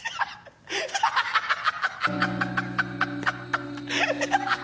ハハハハ。